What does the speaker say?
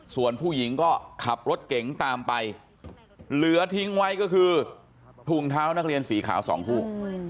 ส่วนผู้หญิงก็ขับรถเก๋งตามไปเหลือทิ้งไว้ก็คือถุงเท้านักเรียนสีขาวสองคู่